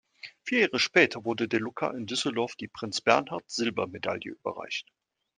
Vier Jahre später wurde De Lucca in Düsseldorf die "Prinz-Bernhard-Silbermedaille" überreicht.